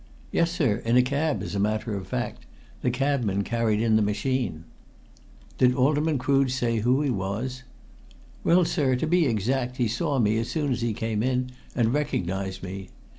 "Yes, sir. In a cab, as a matter of fact. The cabman carried in the machine." "Did Alderman Crood say who he was?" "Well, sir, to be exact, he saw me as soon as he came in, and recognized me.